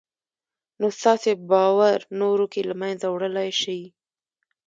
نو ستاسې باور نورو کې له منځه وړلای شي